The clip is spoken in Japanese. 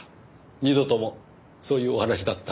２度ともそういうお話だった？